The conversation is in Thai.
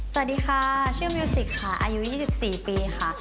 สวัสดีค่ะชื่อมิวสิกค่ะอายุ๒๔ปีค่ะ